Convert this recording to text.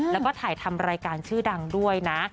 แล้วก็ถ่ายทำรายการชื่อดังด้วยนะ